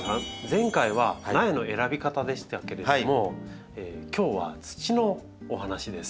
前回は苗の選び方でしたけれども今日は土のお話です。